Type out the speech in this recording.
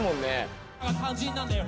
肝心なんだよ